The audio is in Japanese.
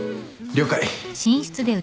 了解。